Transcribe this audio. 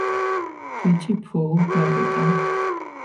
ბიჭი ფუუუუიიიუუუუუუუუუუუუ ვერ ვიტან